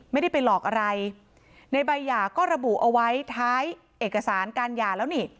ไม่ได้ไปหลอกอะไรในใบหย่าก็ระบุเอาไว้ท้ายเอกสารการหย่าแล้วนี่